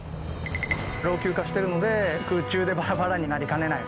老朽化してるので空中で、ばらばらになりかねない。